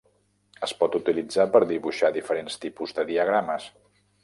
Es pot utilitzar per dibuixar diferents tipus de diagrames.